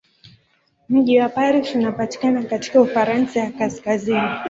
Mji wa Paris unapatikana katika Ufaransa ya kaskazini.